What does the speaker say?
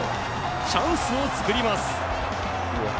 チャンスを作ります。